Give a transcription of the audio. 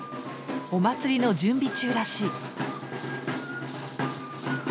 お祭りの準備中らしい。